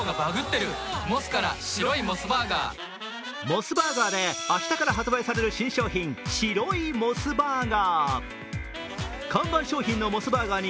モスバーガーで明日から発売される新商品、白いモスバーガー。